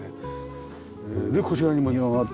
でこちらにも庭があって。